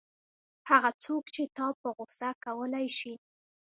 هغه څوک چې تا په غوسه کولای شي.